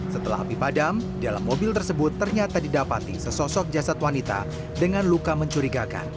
setelah api padam dalam mobil tersebut ternyata didapati sesosok jasad wanita dengan luka mencurigakan